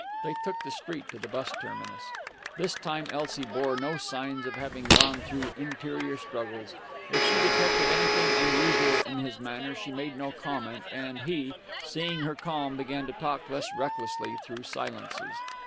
They took the street to the bus terminus. This time Elsie bore no signs of having gone through interior struggles. If she detected anything unusual in his manner she made no comment, and he, seeing her calm, began to talk less recklessly through silences.